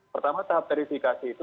pertama tahap verifikasi itu